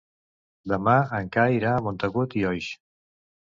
Demà en Cai irà a Montagut i Oix.